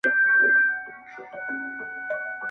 • تا ولي له بچوو سره په ژوند تصویر وانخیست_